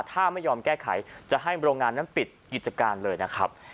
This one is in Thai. ถ้าไม่ยอมแก้ไขจะให้โรงงานนั้นปิดกิจการเลยนะครับ